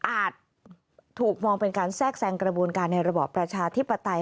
ถูกมองเป็นการแทรกแซงกระบวนการในระบอบประชาธิปไตย